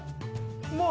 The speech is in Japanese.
もう。